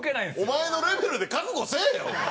お前のレベルで覚悟せえよ！